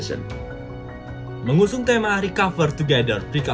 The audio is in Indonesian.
dan tahun ini untuk bantu dunia pulih bersama